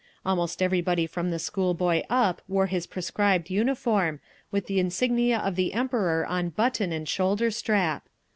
Almost everybody from the school boy up wore his prescribed uniform, with the insignia of the Emperor on button and shoulder strap.